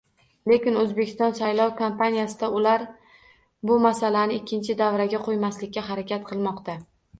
Lekin O'zbekiston saylov kampaniyasida ular bu masalani ikkinchi davraga qo'ymaslikka harakat qilmoqda